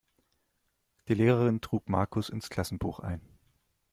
Die Lehrerin trug Markus ins Klassenbuch ein.